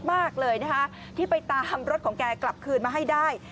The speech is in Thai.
มากเลยนะคะที่ไปตามรถของแกกลับคืนมาให้ได้